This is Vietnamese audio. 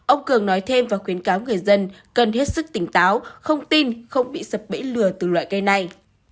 ông cường nói thêm và khuyến cáo người dân cần hết sức tỉnh táo không tin không bị sập bẫy lừa từ loại cây này